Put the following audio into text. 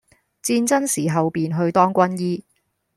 戰爭時候便去當軍醫，